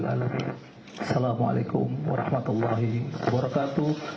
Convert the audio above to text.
assalamualaikum warahmatullahi wabarakatuh